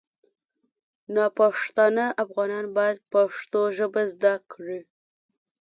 ناپښتانه افغانان باید پښتو ژبه زده کړي